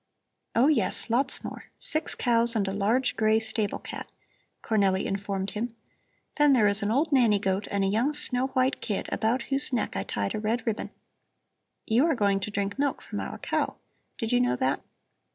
"Oh yes, lots more. Six cows and a large gray stable cat," Cornelli informed him. "Then there is an old nanny goat and a young snow white kid, about whose neck I tied a red ribbon. You are going to drink milk from our cow, did you know that?"